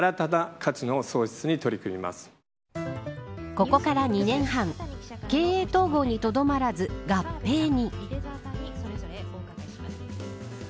ここから２年半経営統合にとどまらず、合併に。